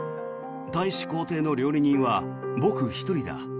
大使公邸の料理人は僕１人だ。